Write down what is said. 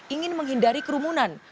ingin menghindari kerumunan